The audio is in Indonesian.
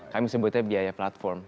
kami sebutnya biaya platform